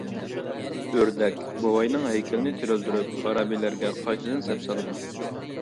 ئۆردەك بوۋاينىڭ ھەيكىلىنى تىرىلدۈرۈپ خارابىلەرگە قايتىدىن سەپسالىدۇ.